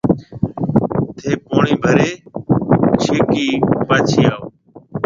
ٿَي پوڻِي ڀري ڇيڪي پاڇهيَ آو